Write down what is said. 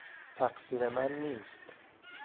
تقصیر من نیست.